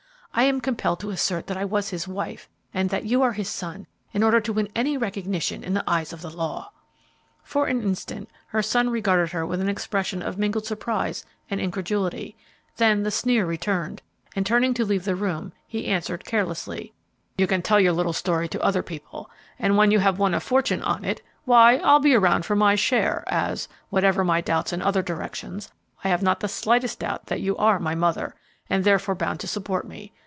I am compelled to assert that I was his wife and that you are his son in order to win any recognition in the eyes of the law." For an instant her son regarded her with an expression of mingled surprise and incredulity, then the sneer returned, and, turning to leave the room, he answered, carelessly, "You can tell your little story to other people, and when you have won a fortune on it, why, I'll be around for my share, as, whatever my doubts in other directions, I have not the slightest doubt that you are my mother, and therefore bound to support me.